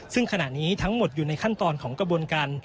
ซึ่งขณะนี้ทั้งหมดอยู่ในขั้นตอนของกระบวนการ